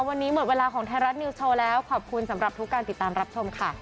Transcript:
วันนี้หมดเวลาของไทยรัฐนิวส์โชว์แล้วขอบคุณสำหรับทุกการติดตามรับชมค่ะ